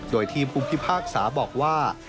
โดยทีมภุมภิภาคสาวร์บอกว่า